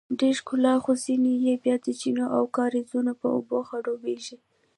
ډیره ښکلا خو ځینې یې بیا د چینو او کاریزونو په اوبو خړوبیږي.